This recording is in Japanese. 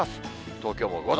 東京も５度。